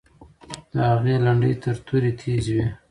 د هغې لنډۍ تر تورې تیزې وې.